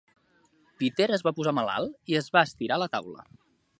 Peter es va posar malalt, i es va estirar a la taula